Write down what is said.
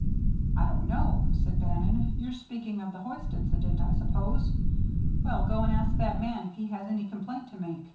"I don't know," said Bannon. "You're speaking of the hoist accident, I suppose. Well, go and ask that man if he has any complaint to make.